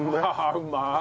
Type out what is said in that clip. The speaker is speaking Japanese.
うまい！